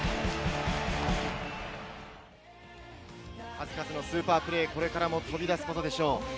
数々のスーパープレー、これからも飛び出すことでしょう。